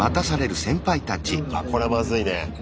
あっこれはまずいね。